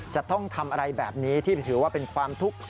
จะต้องทำอะไรแบบนี้ที่ถือว่าเป็นความทุกข์